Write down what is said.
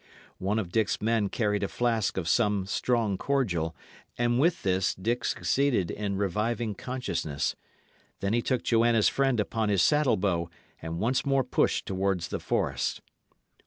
One of Dick's men carried a flask of some strong cordial, and with this Dick succeeded in reviving consciousness. Then he took Joanna's friend upon his saddlebow, and once more pushed toward the forest.